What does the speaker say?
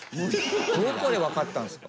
どこで分かったんですか？